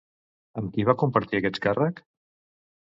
Amb qui va compartir aquest càrrec?